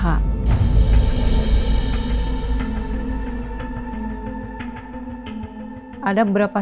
saat itu kemungkinan kekosongan kaki tersebut berubah